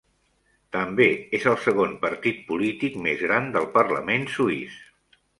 També és el segon partit polític més gran del parlament suïs.